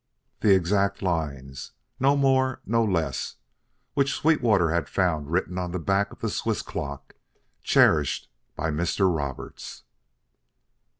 The exact lines, no more, no less, which Sweetwater had found written on the back of the Swiss clock cherished by Mr. Roberts.